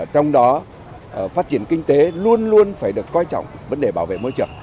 trong đó phát triển kinh tế luôn luôn phải được coi trọng vấn đề bảo vệ môi trường